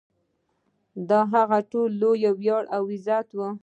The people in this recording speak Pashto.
دا هغه ته لوی ویاړ او عزت و.